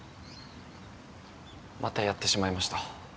また、やってしまいました。